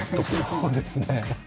そうですね。